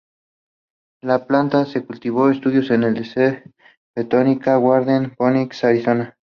La planta se cultivó y estudió en el Desert Botanical Garden en Phoenix, Arizona.